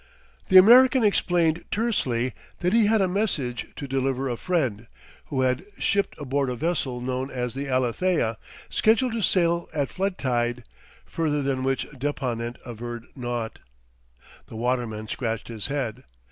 The American explained tersely that he had a message to deliver a friend, who had shipped aboard a vessel known as the Alethea, scheduled to sail at floodtide; further than which deponent averred naught. The waterman scratched his head.